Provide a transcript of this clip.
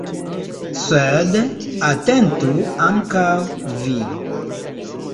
Sed atentu ankaŭ vi.